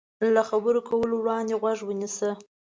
له خبرو کولو وړاندې غوږ ونیسه.